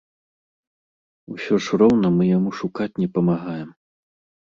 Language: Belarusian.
Усё ж роўна мы яму шукаць не памагаем.